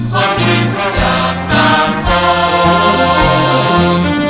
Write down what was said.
ขอดีทุกอย่างตามบอก